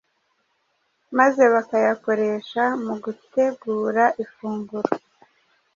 maze bakayakoresha mu gutegura ifunguro.